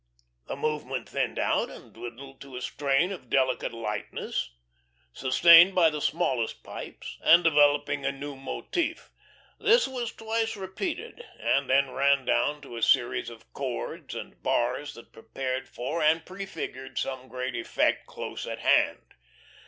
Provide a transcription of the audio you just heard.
The movement thinned out, and dwindled to a strain of delicate lightness, sustained by the smallest pipes and developing a new motive; this was twice repeated, and then ran down to a series of chords and bars that prepared for and prefigured some great effect close at hand.